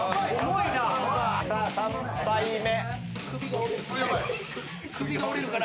さあ３杯目。